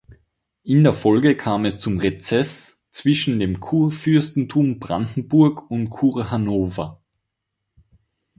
In der Folge kam es zum Rezess zwischen dem Kurfürstentum Brandenburg und Kurhannover.